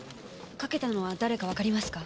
かけたのは誰かわかりますか？